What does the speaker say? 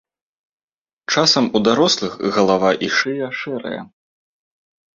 Часам у дарослых галава і шыя шэрыя.